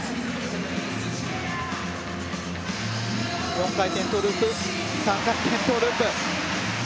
４回転トウループ３回転トウループ。